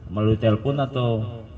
melalui telepon atau